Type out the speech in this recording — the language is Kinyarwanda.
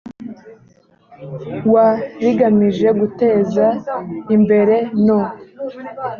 wa rigamije guteza imbere no